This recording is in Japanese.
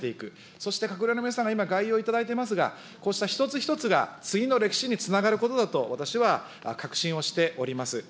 そして、閣僚の皆さんが今、外遊いただいていますが、こうした一つ一つが、次の歴史につながることだと私は確信をしております。